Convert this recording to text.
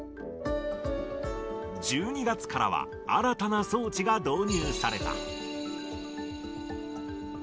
１２月からは、新たな装置が導入された。